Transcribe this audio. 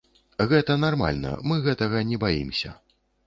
Гэта нармальна, мы гэтага не баімся.